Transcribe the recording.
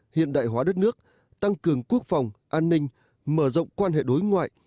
hiện đại hóa đất nước tăng cường quốc phòng an ninh mở rộng quan hệ đối ngoại